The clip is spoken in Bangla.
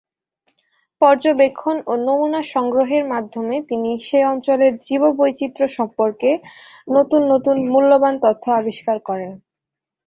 পর্যবেক্ষণ ও নমুনা সংগ্রহের মাধ্যমে তিনি সে অঞ্চলের জীববৈচিত্র্য সম্পর্কে নতুন নতুন মূল্যবান তথ্য আবিষ্কার করেন।